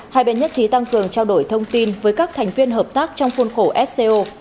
hai bên nhất trí tăng cường trao đổi thông tin với các thành viên hợp tác trong khuôn khổ sco